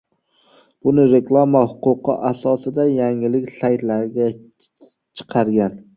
Buni reklama huquqi asosida yangilik saytlariga chiqargan.